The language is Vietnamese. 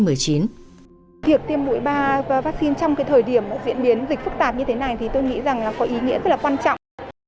việc tiêm mũi ba vaccine trong thời điểm diễn biến dịch phức tạp như thế này tôi nghĩ có ý nghĩa rất quan trọng